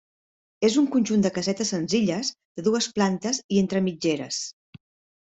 És un conjunt de casetes senzilles de dues plantes i entre mitgeres.